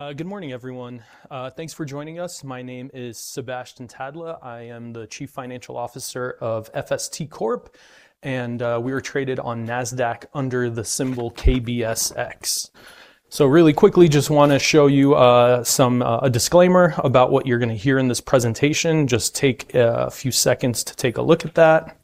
Good morning, everyone. Thanks for joining us. My name is Sebastian Tadla. I am the Chief Financial Officer of FST Corp., and we are traded on Nasdaq under the symbol KBSX. Really quickly, just want to show you a disclaimer about what you're going to hear in this presentation. Just take a few seconds to take a look at that.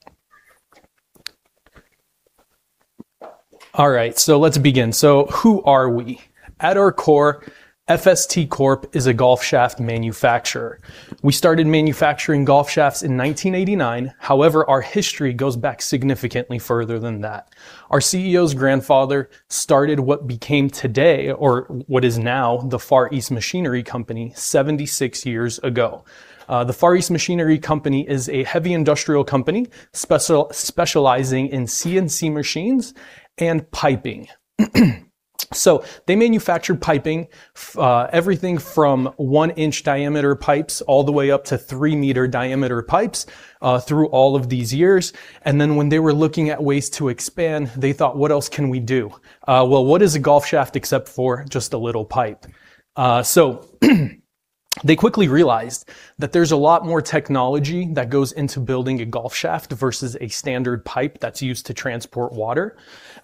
All right. Let's begin. Who are we? At our core, FST Corp. is a golf shaft manufacturer. We started manufacturing golf shafts in 1989. However, our history goes back significantly further than that. Our CEO's grandfather started what became today, or what is now the Far East Machinery Company, 76 years ago. The Far East Machinery Company is a heavy industrial company specializing in CNC machines and piping. They manufactured piping, everything from one-inch diameter pipes all the way up to three-meter diameter pipes, through all of these years. When they were looking at ways to expand, they thought, "What else can we do?" Well, what is a golf shaft except for just a little pipe? They quickly realized that there's a lot more technology that goes into building a golf shaft versus a standard pipe that's used to transport water.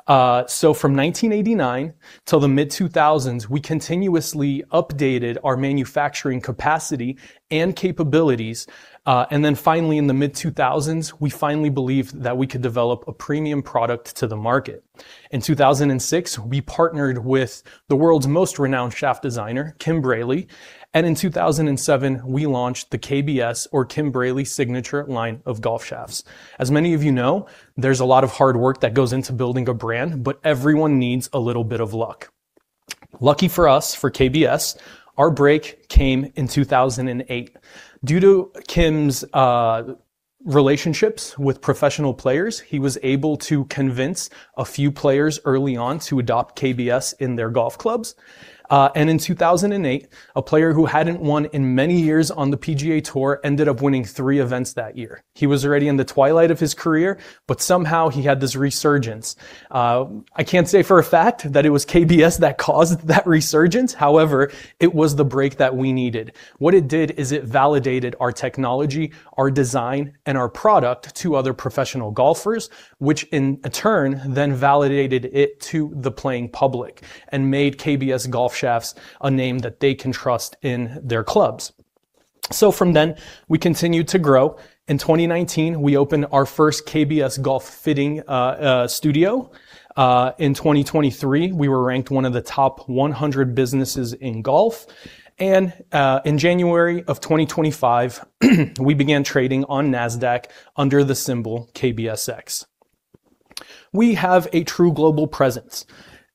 From 1989 till the mid-2000s, we continuously updated our manufacturing capacity and capabilities. Finally, in the mid-2000s, we finally believed that we could develop a premium product to the market. In 2006, we partnered with the world's most renowned shaft designer, Kim Braly, and in 2007, we launched the KBS, or Kim Braly Signature, line of golf shafts. As many of you know, there's a lot of hard work that goes into building a brand, but everyone needs a little bit of luck. Lucky for us, for KBS, our break came in 2008. Due to Kim's relationships with professional players, he was able to convince a few players early on to adopt KBS in their golf clubs. In 2008, a player who hadn't won in many years on the PGA TOUR ended up winning three events that year. He was already in the twilight of his career, but somehow he had this resurgence. I can't say for a fact that it was KBS that caused that resurgence. However, it was the break that we needed. What it did is it validated our technology, our design, and our product to other professional golfers, which in turn then validated it to the playing public and made KBS Golf Shafts a name that they can trust in their clubs. From then, we continued to grow. In 2019, we opened our first KBS golf fitting studio. In 2023, we were ranked one of the top 100 businesses in golf. In January of 2025, we began trading on Nasdaq under the symbol KBSX. We have a true global presence.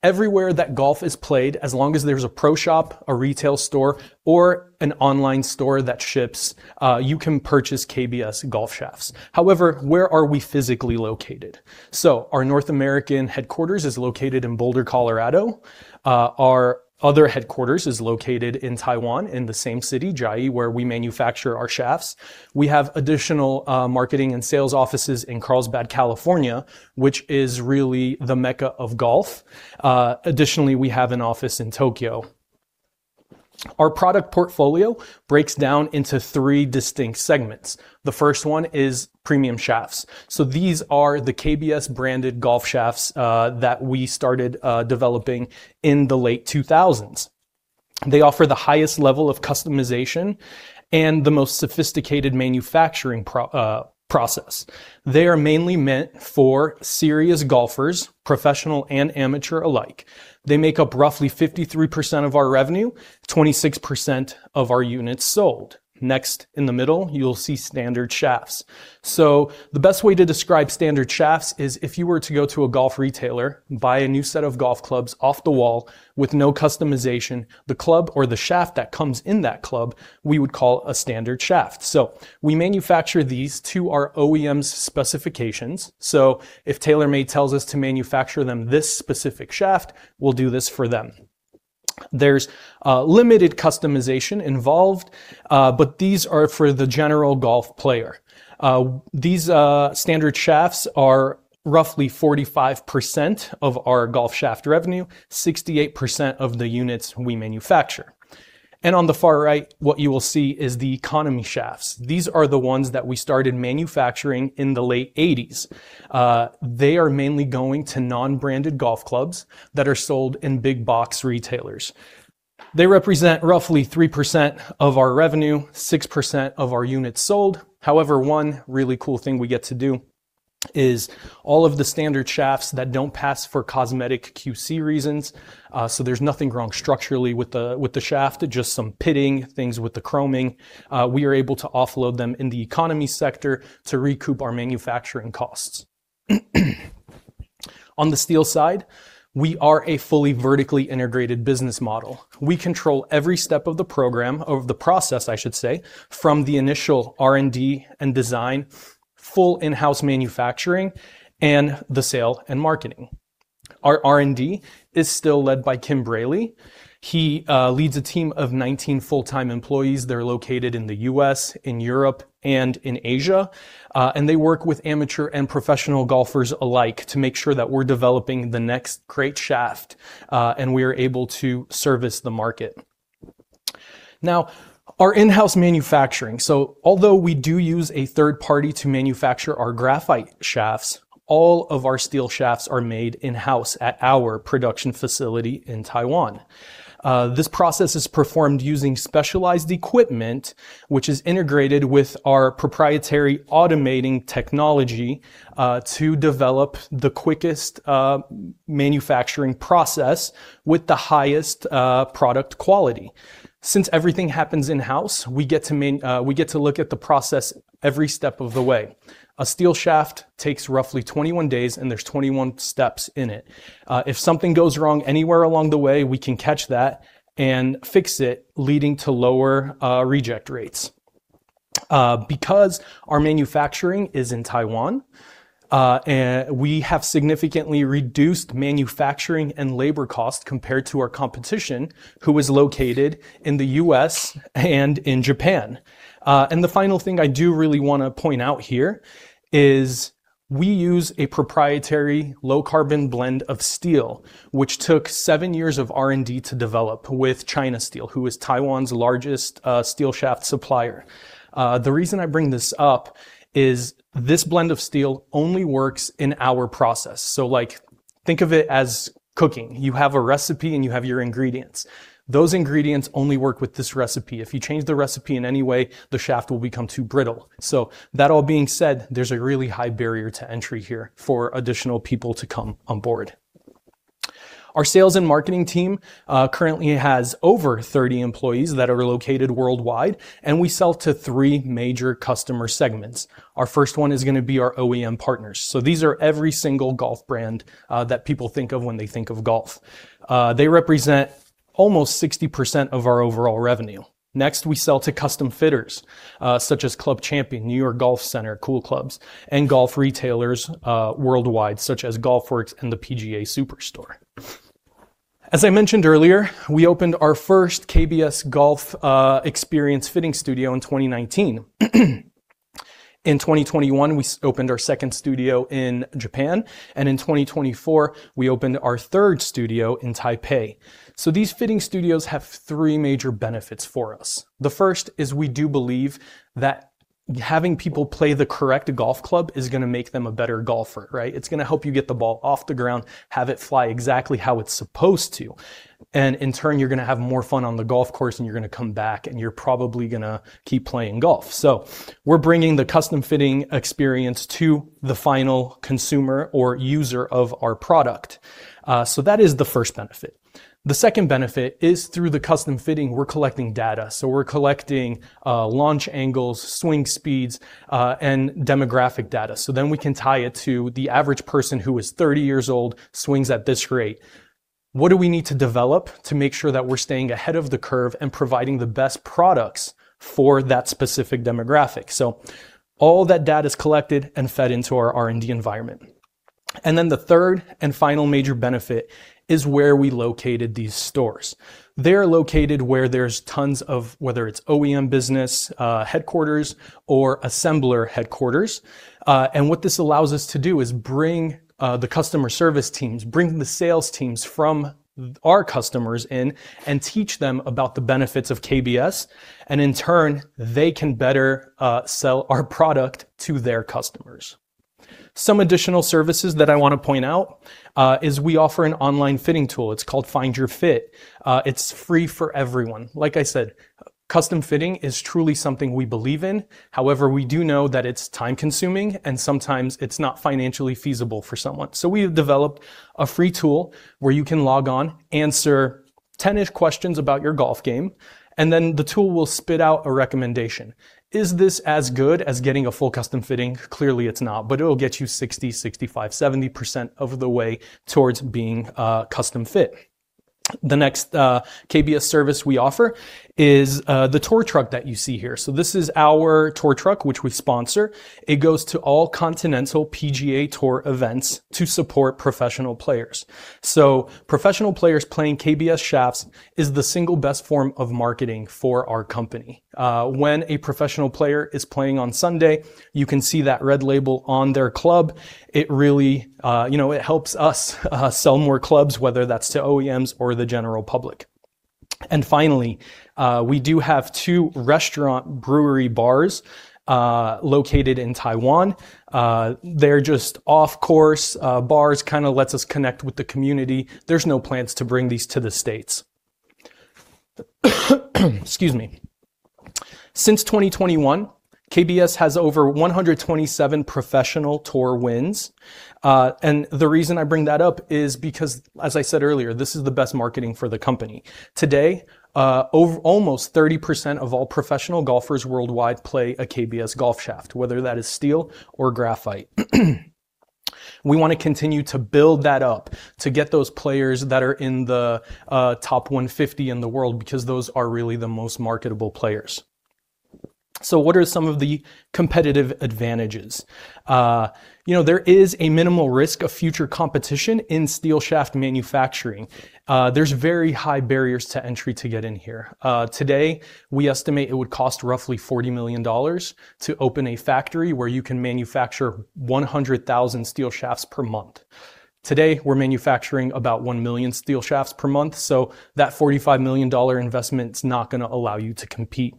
Everywhere that golf is played, as long as there's a pro shop, a retail store, or an online store that ships, you can purchase KBS Golf Shafts. However, where are we physically located? Our North American headquarters is located in Boulder, Colorado. Our other headquarters is located in Taiwan, in the same city, Chiayi, where we manufacture our shafts. We have additional marketing and sales offices in Carlsbad, California, which is really the mecca of golf. Additionally, we have an office in Tokyo. Our product portfolio breaks down into three distinct segments. The first one is premium shafts. These are the KBS-branded golf shafts that we started developing in the late 2000s. They offer the highest level of customization and the most sophisticated manufacturing process. They are mainly meant for serious golfers, professional and amateur alike. They make up roughly 53% of our revenue, 26% of our units sold. Next, in the middle, you'll see standard shafts. The best way to describe standard shafts is if you were to go to a golf retailer, buy a new set of golf clubs off the wall with no customization, the club or the shaft that comes in that club, we would call a standard shaft. We manufacture these to our OEM's specifications. If TaylorMade tells us to manufacture them this specific shaft, we'll do this for them. There's limited customization involved, but these are for the general golf player. These standard shafts are roughly 45% of our golf shaft revenue, 68% of the units we manufacture. On the far right, what you will see is the economy shafts. These are the ones that we started manufacturing in the late 1980s. They are mainly going to non-branded golf clubs that are sold in big box retailers. They represent roughly three percent of our revenue, six percent of our units sold. However, one really cool thing we get to do is all of the standard shafts that don't pass for cosmetic QC reasons, there's nothing wrong structurally with the shaft, just some pitting, things with the chroming, we are able to offload them in the economy sector to recoup our manufacturing costs. On the steel side, we are a fully vertically integrated business model. We control every step of the program, of the process, I should say, from the initial R&D and design, full in-house manufacturing, and the sale and marketing. Our R&D is still led by Kim Braly. He leads a team of 19 full-time employees. They're located in the U.S., in Europe, and in Asia. They work with amateur and professional golfers alike to make sure that we're developing the next great shaft, and we are able to service the market. Now, our in-house manufacturing. Although we do use a third party to manufacture our graphite shafts, all of our steel shafts are made in-house at our production facility in Taiwan. This process is performed using specialized equipment, which is integrated with our proprietary automating technology, to develop the quickest manufacturing process with the highest product quality. Since everything happens in-house, we get to look at the process every step of the way. A steel shaft takes roughly 21 days, and there's 21 steps in it. If something goes wrong anywhere along the way, we can catch that and fix it, leading to lower reject rates. Because our manufacturing is in Taiwan, we have significantly reduced manufacturing and labor cost compared to our competition, who is located in the U.S. and in Japan. The final thing I do really want to point out here is we use a proprietary low-carbon blend of steel, which took seven years of R&D to develop with China Steel, who is Taiwan's largest steel shaft supplier. The reason I bring this up is this blend of steel only works in our process. Think of it as cooking. You have a recipe and you have your ingredients. Those ingredients only work with this recipe. If you change the recipe in any way, the shaft will become too brittle. That all being said, there's a really high barrier to entry here for additional people to come on board. Our sales and marketing team currently has over 30 employees that are located worldwide, and we sell to three major customer segments. Our first one is going to be our OEM partners. These are every single golf brand that people think of when they think of golf. They represent almost 60% of our overall revenue. Next, we sell to custom fitters, such as Club Champion, New York Golf Center, Cool Clubs, and golf retailers worldwide, such as The GolfWorks and the PGA TOUR Superstore. As I mentioned earlier, we opened our first KBS Golf Experience fitting studio in 2019. In 2021, we opened our second studio in Japan, and in 2024, we opened our third studio in Taipei. These fitting studios have three major benefits for us. The first is we do believe that having people play the correct golf club is going to make them a better golfer. It's going to help you get the ball off the ground, have it fly exactly how it's supposed to. In turn, you're going to have more fun on the golf course, and you're going to come back and you're probably going to keep playing golf. We're bringing the custom fitting experience to the final consumer or user of our product. That is the first benefit. The second benefit is through the custom fitting, we're collecting data. We're collecting launch angles, swing speeds, and demographic data. Then we can tie it to the average person who is 30 years old, swings at this rate. What do we need to develop to make sure that we're staying ahead of the curve and providing the best products for that specific demographic? All that data is collected and fed into our R&D environment. The third and final major benefit is where we located these stores. They're located where there's tons of, whether it's OEM business headquarters or assembler headquarters. What this allows us to do is bring the customer service teams, bring the sales teams from our customers in and teach them about the benefits of KBS, and in turn, they can better sell our product to their customers. Some additional services that I want to point out is we offer an online fitting tool. It's called Find Your Fit. It's free for everyone. Like I said, custom fitting is truly something we believe in. However, we do know that it's time-consuming and sometimes it's not financially feasible for someone. We have developed a free tool where you can log on, answer 10-ish questions about your golf game, and then the tool will spit out a recommendation. Is this as good as getting a full custom fitting? Clearly, it's not, but it'll get you 60%, 65%, 70% of the way towards being custom fit. The next KBS service we offer is the tour truck that you see here. This is our tour truck, which we sponsor. It goes to all continental PGA TOUR events to support professional players. Professional players playing KBS shafts is the single best form of marketing for our company. When a professional player is playing on Sunday, you can see that red label on their club. It helps us sell more clubs, whether that's to OEMs or the general public. Finally, we do have two restaurant brewery bars, located in Taiwan. They're just off-course bars, lets us connect with the community. There's no plans to bring these to the U.S. Excuse me. Since 2021, KBS has over 127 professional tour wins. The reason I bring that up is because, as I said earlier, this is the best marketing for the company. Today, almost 30% of all professional golfers worldwide play a KBS golf shaft, whether that is steel or graphite. We want to continue to build that up to get those players that are in the top 150 in the world because those are really the most marketable players. What are some of the competitive advantages? There is a minimal risk of future competition in steel shaft manufacturing. There's very high barriers to entry to get in here. Today, we estimate it would cost roughly $40 million to open a factory where you can manufacture 100,000 steel shafts per month. Today, we're manufacturing about 1 million steel shafts per month, that $45 million investment's not going to allow you to compete.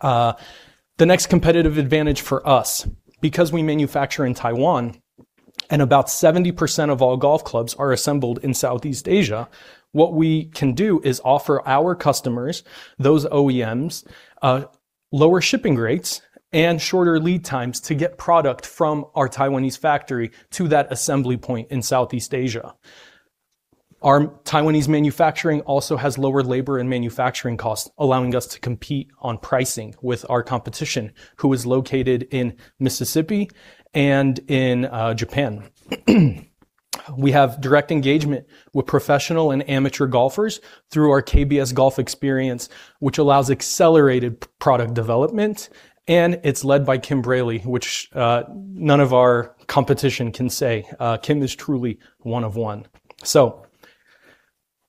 The next competitive advantage for us, because we manufacture in Taiwan and about 70% of all golf clubs are assembled in Southeast Asia, what we can do is offer our customers, those OEMs, lower shipping rates and shorter lead times to get product from our Taiwanese factory to that assembly point in Southeast Asia. Our Taiwanese manufacturing also has lower labor and manufacturing costs, allowing us to compete on pricing with our competition, who is located in Mississippi and in Japan. We have direct engagement with professional and amateur golfers through our KBS Golf Experience, which allows accelerated product development, and it's led by Kim Braly, which none of our competition can say. Kim is truly one of one.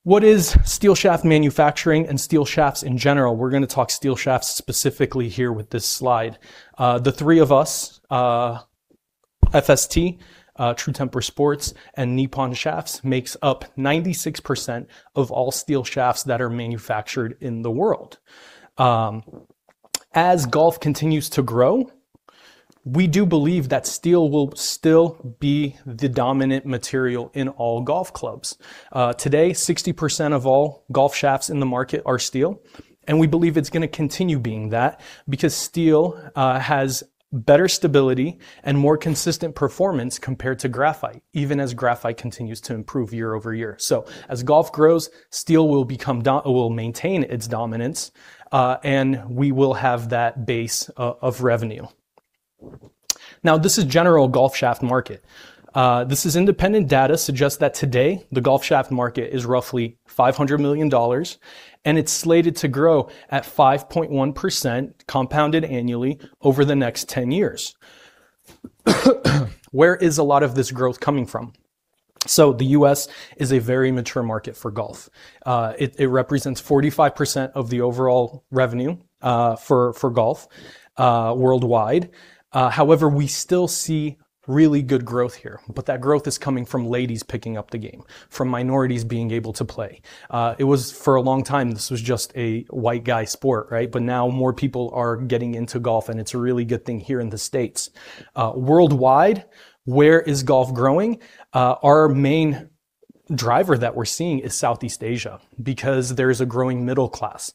What is steel shaft manufacturing and steel shafts in general? We're going to talk steel shafts specifically here with this slide. The three of us, FST, True Temper Sports, and Nippon Shaft, makes up 96% of all steel shafts that are manufactured in the world. As golf continues to grow, we do believe that steel will still be the dominant material in all golf clubs. Today, 60% of all golf shafts in the market are steel, and we believe it's going to continue being that because steel has better stability and more consistent performance compared to graphite, even as graphite continues to improve year-over-year. As golf grows, steel will maintain its dominance, and we will have that base of revenue. This is general golf shaft market. Independent data suggests that today the golf shaft market is roughly $500 million, and it's slated to grow at 5.1% compounded annually over the next 10 years. Where is a lot of this growth coming from? The U.S. is a very mature market for golf. It represents 45% of the overall revenue for golf worldwide. However, we still see really good growth here, but that growth is coming from ladies picking up the game, from minorities being able to play. For a long time, this was just a white guy sport, right? Now more people are getting into golf, and it's a really good thing here in the U.S. Worldwide, where is golf growing? Our main driver that we're seeing is Southeast Asia because there is a growing middle class.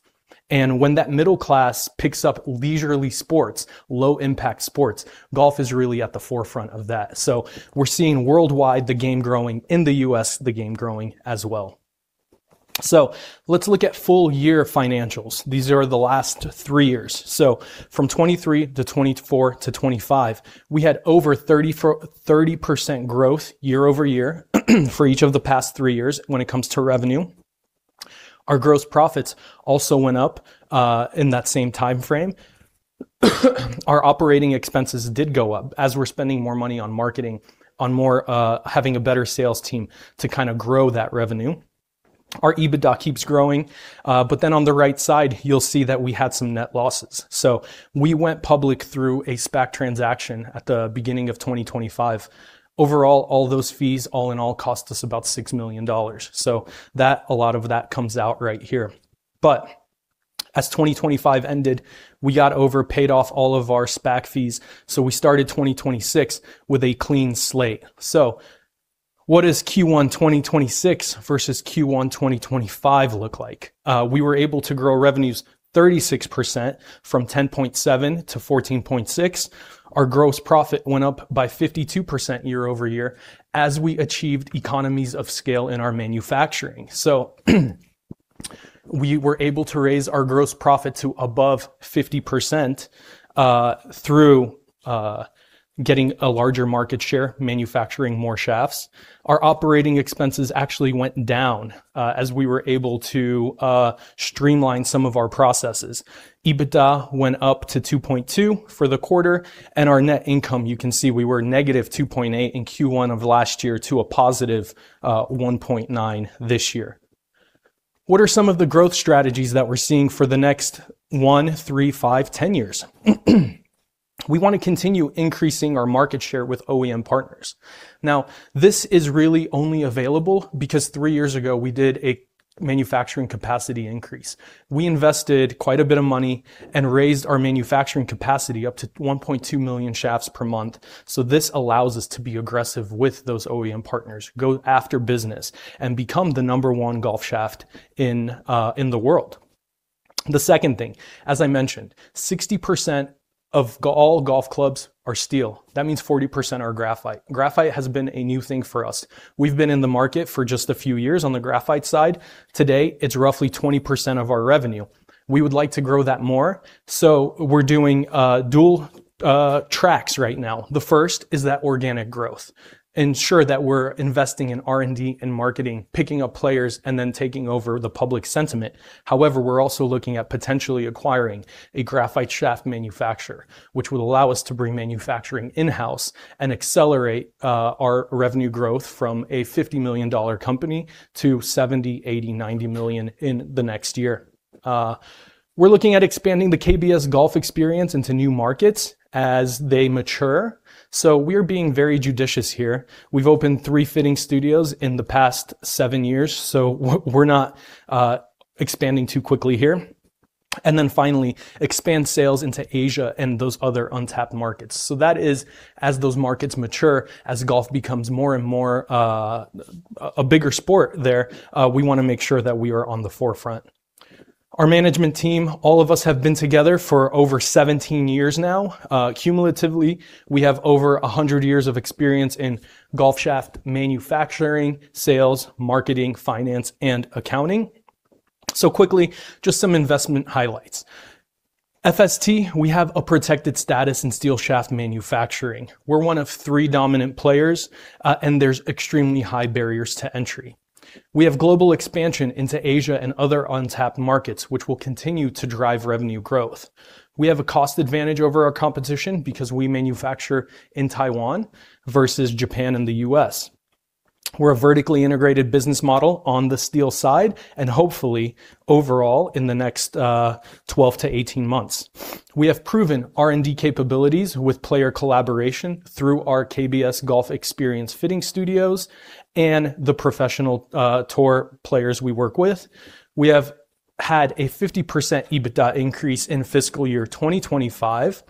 When that middle class picks up leisurely sports, low-impact sports, golf is really at the forefront of that. We're seeing worldwide the game growing. In the U.S., the game growing as well. Let's look at full year financials. These are the last three years. From 2023 - 2024 - 2025, we had over 30% growth year-over-year for each of the past three years when it comes to revenue. Our gross profits also went up in that same timeframe. Our operating expenses did go up as we're spending more money on marketing, on having a better sales team to grow that revenue. Our EBITDA keeps growing. On the right side, you'll see that we had some net losses. We went public through a SPAC transaction at the beginning of 2025. Overall, all those fees all in all cost us about $6 million. A lot of that comes out right here. As 2025 ended, we got over, paid off all of our SPAC fees. We started 2026 with a clean slate. What does Q1 2026 versus Q1 2025 look like? We were able to grow revenues 36% from $10.7 million to $14.6 million. Our gross profit went up by 52% year-over-year as we achieved economies of scale in our manufacturing. We were able to raise our gross profit to above 50% through getting a larger market share, manufacturing more shafts. Our operating expenses actually went down as we were able to streamline some of our processes. EBITDA went up to $2.2 million for the quarter, and our net income, you can see we were -$2.8 million in Q1 of last year to a positive $1.9 million this year. What are some of the growth strategies that we're seeing for the next one, three, five, 10 years? We want to continue increasing our market share with OEM partners. This is really only available because three years ago we did a manufacturing capacity increase. We invested quite a bit of money and raised our manufacturing capacity up to 1.2 million shafts per month. This allows us to be aggressive with those OEM partners, go after business, and become the number one golf shaft in the world. The second thing, as I mentioned, 60% of all golf clubs are steel. That means 40% are graphite. Graphite has been a new thing for us. We've been in the market for just a few years on the graphite side. Today, it's roughly 20% of our revenue. We would like to grow that more, we're doing dual tracks right now. The first is that organic growth. Ensure that we're investing in R&D and marketing, picking up players, and then taking over the public sentiment. However, we're also looking at potentially acquiring a graphite shaft manufacturer, which would allow us to bring manufacturing in-house and accelerate our revenue growth from a $50 million company to $70 million, $80 million, $90 million in the next year. We're looking at expanding the KBS Golf Experience into new markets as they mature. We're being very judicious here. We've opened three fitting studios in the past seven years. We're not expanding too quickly here. Finally, expand sales into Asia and those other untapped markets. That is as those markets mature, as golf becomes more and more a bigger sport there, we want to make sure that we are on the forefront. Our management team, all of us have been together for over 17 years now. Cumulatively, we have over 100 years of experience in golf shaft manufacturing, sales, marketing, finance, and accounting. Quickly, just some investment highlights. FST, we have a protected status in steel shaft manufacturing. We're one of three dominant players, and there's extremely high barriers to entry. We have global expansion into Asia and other untapped markets, which will continue to drive revenue growth. We have a cost advantage over our competition because we manufacture in Taiwan versus Japan and the U.S. We're a vertically integrated business model on the steel side and hopefully overall in the next 12 - 18 months. We have proven R&D capabilities with player collaboration through our KBS Golf Experience fitting studios and the professional tour players we work with. We have had a 50% EBITDA increase in fiscal year 2025,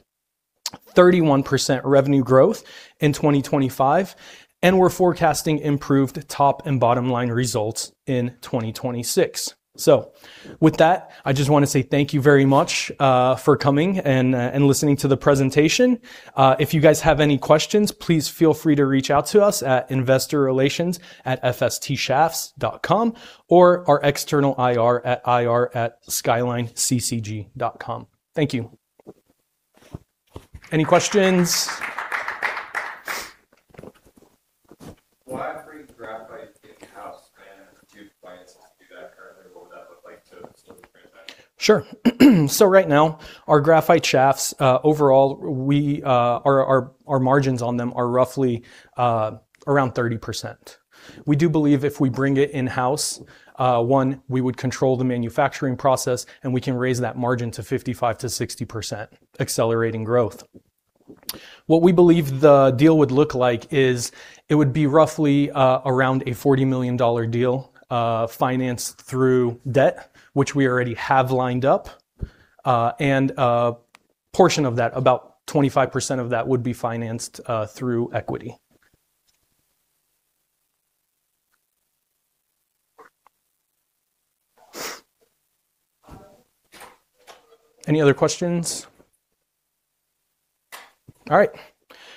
31% revenue growth in 2025, and we're forecasting improved top and bottom-line results in 2026. With that, I just want to say thank you very much for coming and listening to the presentation. If you guys have any questions, please feel free to reach out to us at investorrelations@fstshafts.com or our external IR at ir@skylineccg.com. Thank you. Any questions? Sure. Right now, our graphite shafts, overall, our margins on them are roughly around 30%. We do believe if we bring it in-house, one, we would control the manufacturing process, and we can raise that margin to 55%-60%, accelerating growth. What we believe the deal would look like is it would be roughly around a $40 million deal, financed through debt, which we already have lined up. A portion of that, about 25% of that, would be financed through equity. Any other questions? All right.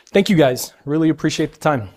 Thank you, guys. Really appreciate the time.